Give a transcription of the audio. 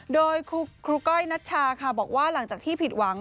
โดยครูก้อยนัชชาค่ะบอกว่าหลังจากที่ผิดหวัง